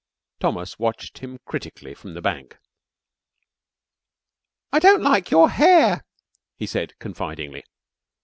Thomas watched him critically from the bank. "I don't like your hair," he said confidingly.